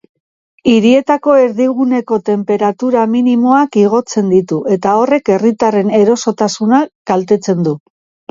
Hirietako erdiguneko tenperatura minimoak igotzen ditu, eta horrek herritarren erosotasuna kaltetzen du.